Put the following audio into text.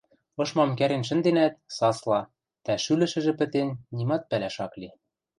Ышмам кӓрен шӹнденӓт, сасла, тӓ шӱлӹшӹжӹ пӹтен, нимат пӓлӓш ак ли.